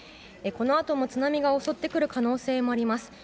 このあとも津波が襲ってくる可能性もあります。